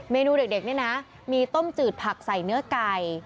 เนนูเด็กนี่นะมีต้มจืดผักใส่เนื้อไก่